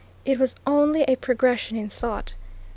It was only a progression in thought.